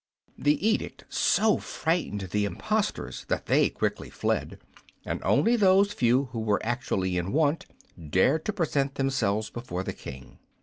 That edict so frightened the imposters that they quickly fled, and only those few who were actually in want dared to present themselves before the King.